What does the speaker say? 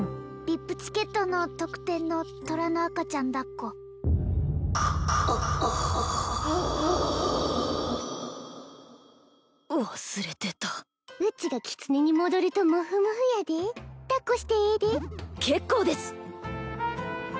ＶＩＰチケットの特典のトラの赤ちゃんだっこあ忘れてたうちがキツネに戻るとモフモフやでだっこしてええで結構です！